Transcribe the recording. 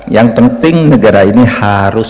yang penting negara ini harus